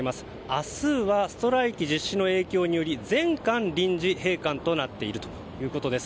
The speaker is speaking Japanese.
明日はストライキ実施の影響により全館臨時閉館となっているということです。